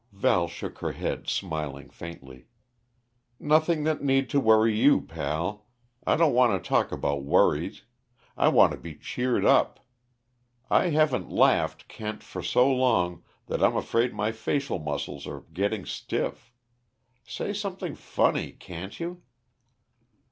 Val shook her head, smiling faintly. "Nothing that need to worry you, pal. I don't want to talk about worries. I want to be cheered up; I haven't laughed, Kent, for so long I'm afraid my facial muscles are getting stiff. Say something funny, can't you?"